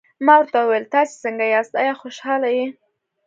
ما ورته وویل: تاسي څنګه یاست، آیا خوشحاله یې؟